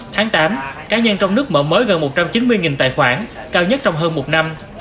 tháng tám cá nhân trong nước mở mới gần một trăm chín mươi tài khoản cao nhất trong hơn một năm